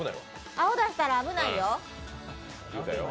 青出したら危ないよ。